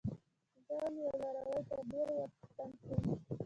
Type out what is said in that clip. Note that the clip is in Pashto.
زه وم یو لاروی؛ تر ډيرو ورته تم شوم